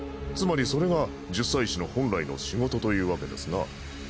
つまりそれが十祭司の本来の仕事というわけですな。